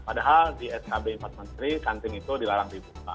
padahal di skb empat menteri kantin itu dilarang dibuka